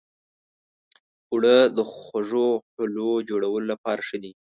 اوړه د خوږو حلوو جوړولو لپاره ښه دي